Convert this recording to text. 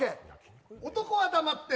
男は黙って。